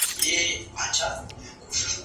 خلګو د تاریخي کرکټرونو په اړه افراطي موقفونه ونیول.